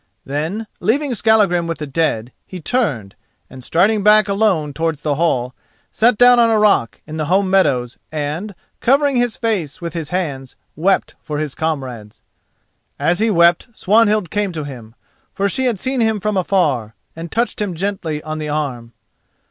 Then, leaving Skallagrim with the dead, he turned, and striding back alone towards the hall, sat down on a rock in the home meadows and, covering his face with his hands, wept for his comrades. As he wept Swanhild came to him, for she had seen him from afar, and touched him gently on the arm.